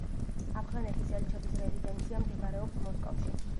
ავღანეთის ელჩების რეზიდენცია მდებარეობს მოსკოვში.